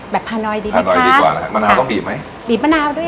แบบพาหน่อยดีดีกว่าพาหน่อยดีกว่านะคะมะนาวต้องบีบไหมบีบมะนาวด้วยค่ะ